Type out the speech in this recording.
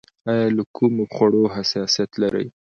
ایا له کومو خوړو حساسیت لرئ؟